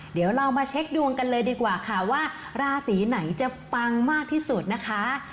เดี๋ยวเรามาเช็คดวงกันเลยดีกว่าค่ะว่าราศีไหนจะปังมากที่สุดนะคะ